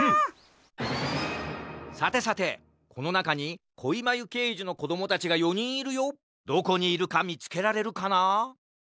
さてさてこのなかにこいまゆけいじのこどもたちが４にんいるよ。どこにいるかみつけられるかな？